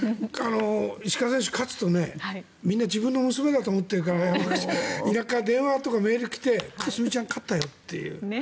石川選手、勝つとみんな自分の娘だと思ってるから電話とかメールが来て佳純ちゃん、勝ったよっていう。